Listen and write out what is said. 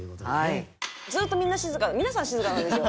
ずっとみんな静か皆さん静かなんですよ。